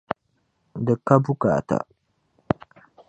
di ka bukaata.